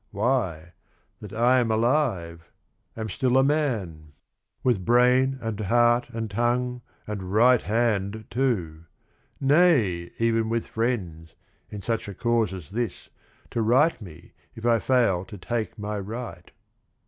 Why, that I am alive, am still a man COUNT GUIDO FRANCESCHINI 67 With brain and heart and tongue and right hand too — Nay, even with friends, in such a cause as this, To right me if I fail to take my right.